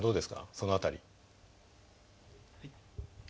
その辺り。